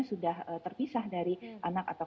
sudah terpisah dari anak atau